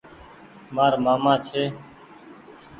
مآر مآمآ ڇي۔